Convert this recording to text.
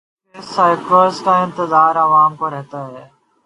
مقبول فلموں کے سیکوئلز کا انتظار عوام کو رہتا ہے۔